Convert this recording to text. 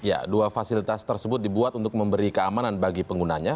ya dua fasilitas tersebut dibuat untuk memberi keamanan bagi penggunanya